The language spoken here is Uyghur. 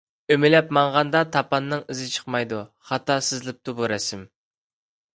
ئۆمىلەپ ماڭغاندا تاپاننىڭ ئىزى چىقمايدۇ. خاتا سىزىلىپتۇ بۇ رەسىم.